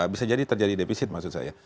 bisa jadi terjadi defisit maksud saya